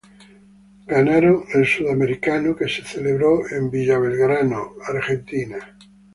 Ganaron el sudamericano que se celebró en Villa Belgrano, Argentina.